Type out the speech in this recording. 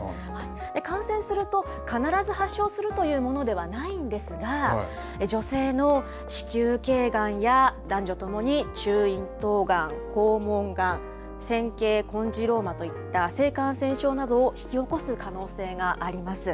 感染すると必ず発症するというものではないんですが、女性の子宮けいがんや、男女ともに中咽頭がん、肛門がん、尖圭コンジローマといった性感染症などを引き起こす可能性があります。